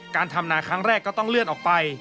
การทำนาครั้งแรกก็ต้องเลื่อนออกไป